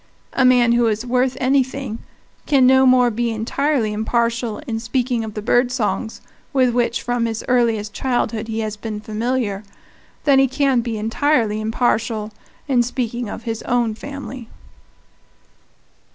A man who is worth anything can no more be entirely impartial in speaking of the bird songs with which from his earliest childhood he has been familiar than he can be entirely impartial in speaking of his own family.